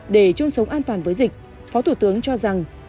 để chung sống an toàn với dịch phó thủ tướng cho rằng